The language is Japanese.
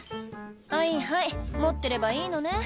「はいはい持ってればいいのね」